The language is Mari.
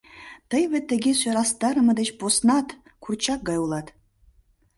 Тый вет тыге сӧрастарыме деч поснат курчак гай улат.